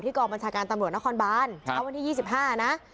กองบัญชาการตำรวจนครบานเช้าวันที่๒๕นะ